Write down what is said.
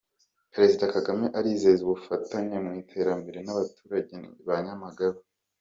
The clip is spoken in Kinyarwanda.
Perezida Kagame arizeza ubufatanye mu iterambere n’abaturage ba Nyamagabe